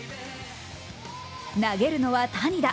投げるのは、谷田。